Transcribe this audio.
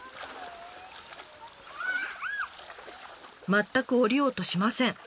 全く下りようとしません。